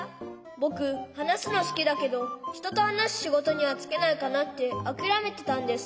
ぼくはなすのすきだけどひととはなすしごとにはつけないかなってあきらめてたんです。